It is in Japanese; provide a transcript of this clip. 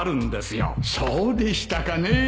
そうでしたかね